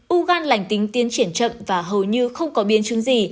u gan lành tính tiến triển chậm và hầu như không có biến chứng gì